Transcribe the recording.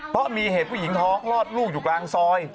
เพราะมีเหตุผู้หญิงท้องคลอดลูกอยู่กลางซอย